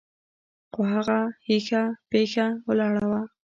خو هغه هيښه پيښه ولاړه وه.